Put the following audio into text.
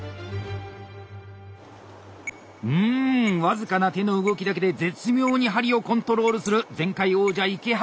うん僅かな手の動きだけで絶妙に針をコントロールする前回王者池原。